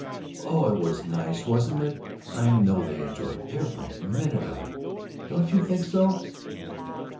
"Oh, it was nice, wasn't it! I know they enjoyed every minute of it. Don't you think so?"